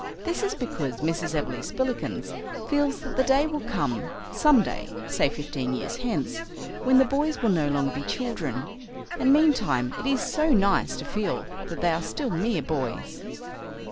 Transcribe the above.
This is because Mrs. Everleigh Spillikins feels that the day will come some day say fifteen years hence when the boys will no longer be children, and meantime it is so nice to feel that they are still mere boys.